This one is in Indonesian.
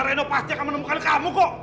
reno pasti akan menemukan kamu kok